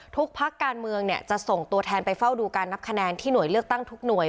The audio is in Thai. พักการเมืองจะส่งตัวแทนไปเฝ้าดูการนับคะแนนที่หน่วยเลือกตั้งทุกหน่วย